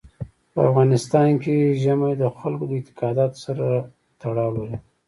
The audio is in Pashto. په افغانستان کې ژمی د خلکو د اعتقاداتو سره تړاو لري.